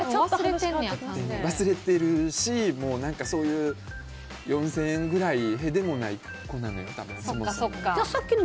忘れてるし何か、４０００円くらいへでもない子なんです、そもそも。